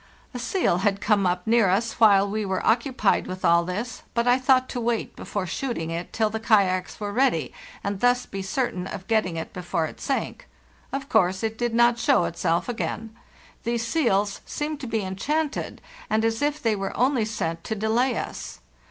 "A seal had come up near us while we were occupied with all this, but I thought to wait before shooting it till the kayaks were ready, and thus be certain of getting it before it sank. Of course it did not show itself again. These seals seem to be enchanted, and as if they were only sent to delay us.